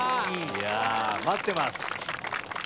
いや待ってます。